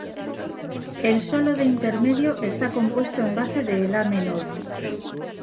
El solo de intermedio está compuesto en base de la menor.